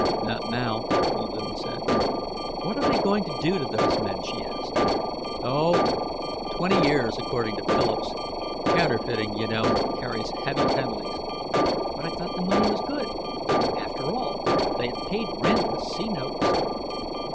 "Not now," Muldoon said. "What are they going to do to those men?" she asked. "Oh, twenty years, according to Phillips. Counterfeiting, you know, carries heavy penalties." "But I thought the money was good? After all, they had paid rent with C notes."